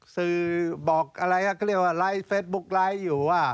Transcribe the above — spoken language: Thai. สื่อบอกอะไรก็เรียกว่าไลฟ์เฟสบุ๊กไลค์อยู่ว่า